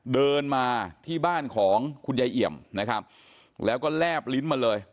เดินมาที่บ้านของคุณยายเอี่ยมนะครับแล้วก็แลบลิ้นมาเลย